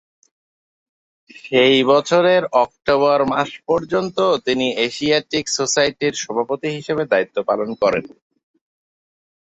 সেই বছরের অক্টোবর মান পর্যন্ত তিনি এশিয়াটিক সোসাইটির সভাপতি হিসেবে দায়িত্ব পালন করেন।